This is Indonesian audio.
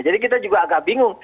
jadi kita juga agak bingung